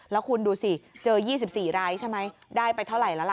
แล้วคุณดูสิเจอ๒๔รายใช่ไหมได้ไปเท่าไหร่แล้วล่ะ